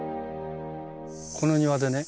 この庭でね